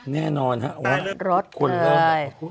แน่นอนครับรถเก่งเลย